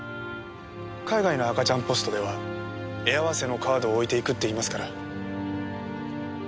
海外の赤ちゃんポストでは絵合わせのカードを置いていくって言いますから。